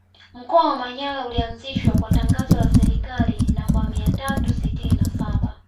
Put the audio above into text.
Mkoa wa Manyara ulianzishwa kwa tangazo la Serikali namba mia tatu sitini na saba